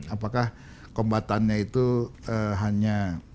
apakah kombatannya itu hanya